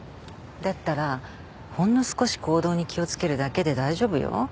だったらほんの少し行動に気を付けるだけで大丈夫よ。